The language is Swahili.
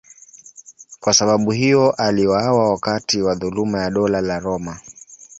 Kwa sababu hiyo aliuawa wakati wa dhuluma ya Dola la Roma.